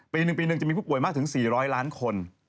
ปี๑จะมีผู้ป่วยมากถึง๔๐๐ล้านคน